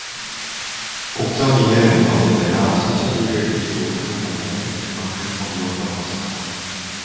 옥점이는 어느 때나 신철이를 잊지 못하는 반면에 그만큼 더 미웠던 것이다.